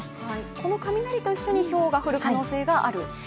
この雷と一緒にひょうが降る可能性がある？